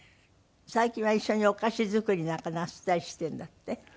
最近は一緒にお菓子作りなんかなすったりしてるんだって？